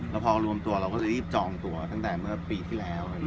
แล้วพอรวมตัวเราก็เลยรีบจองตัวตั้งแต่เมื่อปีที่แล้ว